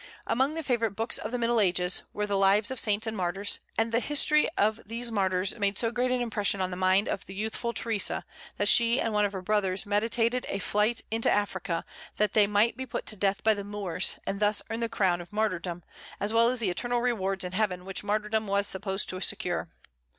Among the favorite books of the Middle Ages were the lives of saints and martyrs; and the history of these martyrs made so great an impression on the mind of the youthful Theresa that she and one of her brothers meditated a flight into Africa that they might be put to death by the Moors, and thus earn the crown of martyrdom, as well as the eternal rewards in heaven which martyrdom was supposed to secure.